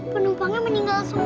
penumpangnya meninggal semua bu